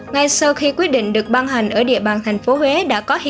ngay sau khi quyết định được ban hành